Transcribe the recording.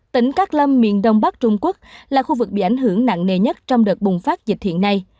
tỉnh cát lâm miền đông bắc trung quốc là khu vực bị ảnh hưởng nặng nề nhất trong đợt bùng phát dịch hiện nay